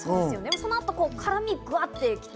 そのあと辛味がグワっときて。